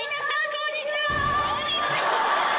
こんにちは！